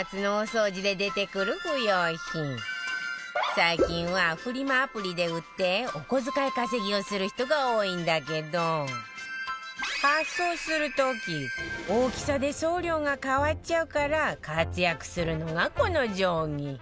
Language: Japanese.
最近はフリマアプリで売ってお小遣い稼ぎをする人が多いんだけど発送する時大きさで送料が変わっちゃうから活躍するのがこの定規